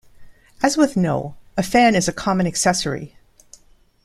As with Noh, a fan is a common accessory.